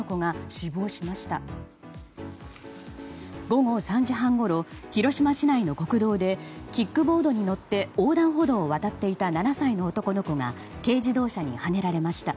午後３時半ごろ広島市内の国道でキックボードに乗って横断歩道を渡っていた７歳の男の子が軽自動車にはねられました。